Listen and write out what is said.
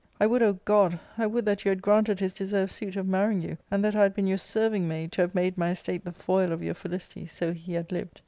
I would, O God ! I would that you had granted his deserved suit of marrying you, and that I had been your serving maid, to have made my estate the foil of your felicity, so he had lived.